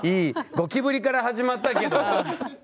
ゴキブリから始まったけど結果ね。